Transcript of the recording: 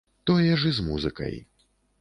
Тое ж і з музыкай.